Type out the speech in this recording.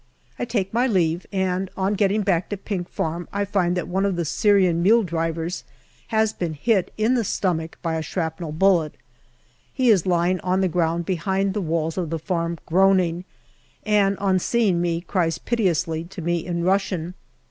I take my leave, and on getting back to Pink Farm I find that one of the Syrian mule drivers has been hit in the stomach by a shrapnel bullet. He is lying on the ground behind the walls of the farm groaning, and on seeing me cries piteously to me in Russian.